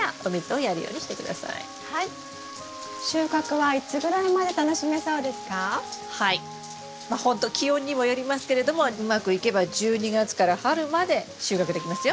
はいまあほんと気温にもよりますけれどもうまくいけば１２月から春まで収穫できますよ。